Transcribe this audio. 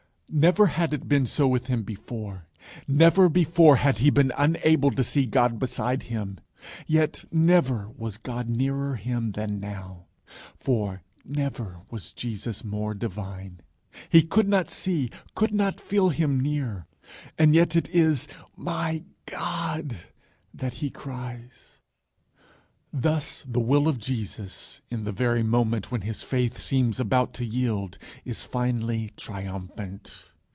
_ Never had it been so with him before. Never before had he been unable to see God beside him. Yet never was God nearer him than now. For never was Jesus more divine. He could not see, could not feel him near; and yet it is "My God" that he cries. Thus the Will of Jesus, in the very moment when his faith seems about to yield, is finally triumphant.